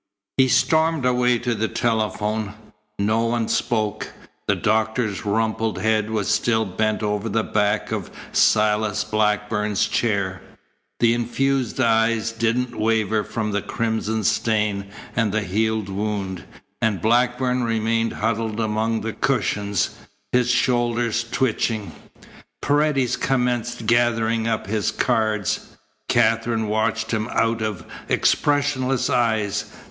He stormed away to the telephone. No one spoke. The doctor's rumpled head was still bent over the back of Silas Blackburn's chair. The infused eyes didn't waver from the crimson stain and the healed wound, and Blackburn remained huddled among the cushions, his shoulders twitching. Paredes commenced gathering up his cards. Katherine watched him out of expressionless eyes.